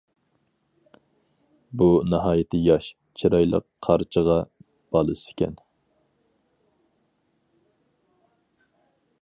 بۇ ناھايىتى ياش، چىرايلىق قارچىغا بالىسىكەن.